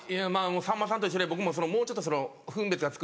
さんまさんと一緒で僕ももうちょっと分別がつく。